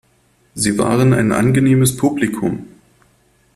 Sie waren ein angenehmes Publikum.